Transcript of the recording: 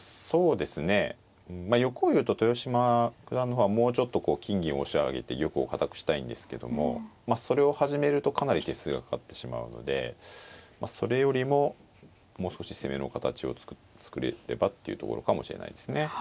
そうですねまあ欲を言うと豊島九段の方はもうちょっとこう金銀を押し上げて玉を堅くしたいんですけどもまあそれを始めるとかなり手数がかかってしまうのでそれよりももう少し攻めの形を作れればっていうところかもしれないですね。